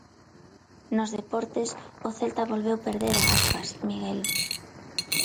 Nos deportes, o Celta volveu perder a Aspas, Miguel.